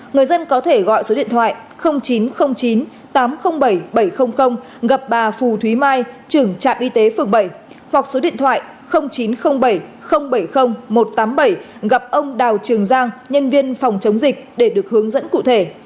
người dân có thể gọi số điện thoại chín trăm linh chín tám trăm linh bảy bảy trăm linh gặp bà phù thúy mai trưởng trạm y tế phường bảy hoặc số điện thoại chín trăm linh bảy bảy mươi một trăm tám mươi bảy gặp ông đào trường giang nhân viên phòng chống dịch để được hướng dẫn cụ thể